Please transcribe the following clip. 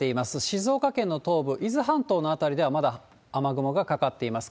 静岡県の東部、伊豆半島の辺りでは、まだ雨雲がかかっています。